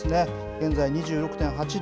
現在、２６．８度。